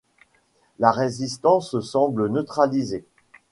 La résistance semble neutralisée.